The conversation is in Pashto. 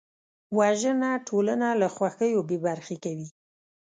وژنه ټولنه له خوښیو بېبرخې کوي